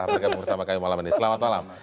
bergabung bersama kami malam ini selamat malam